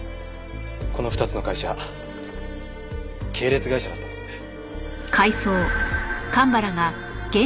この２つの会社系列会社だったんですね。